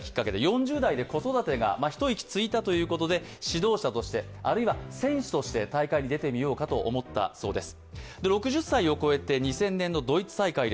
４０代で子育てが一息ついたということで指導者としてあるいは選手として大会に出てみようかと思ったそうです。